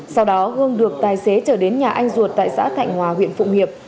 sau đó hương được tài xế trở đến nhà anh ruột tại xã thạnh hòa huyện phụng hiệp